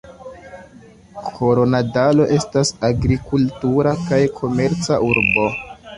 Koronadalo estas agrikultura kaj komerca urbo.